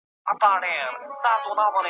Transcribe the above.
یا به چړې وي د قصابانو .